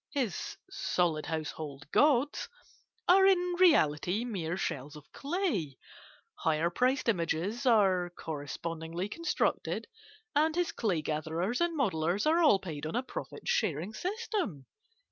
His "solid house hold gods" are in reality mere shells of clay; higher priced images are correspondingly constructed, and his clay gatherers and modellers are all paid on a "profit sharing system."